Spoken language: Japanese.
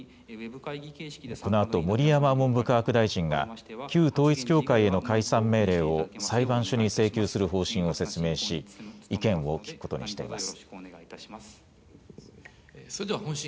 このあと盛山文部科学大臣が旧統一教会への解散命令を裁判所に請求する方針を説明し意見を聴くことにしています。